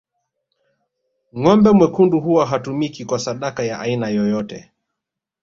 Ngombe mwekundu huwa hatumiki kwenye sadaka ya aina yoyote